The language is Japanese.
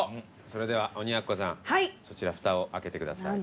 それでは鬼奴さんそちらふたを開けてください。